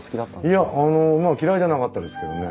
いやまあ嫌いじゃなかったですけどね。